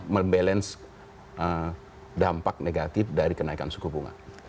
membalance dampak negatif dari kenaikan suku bunga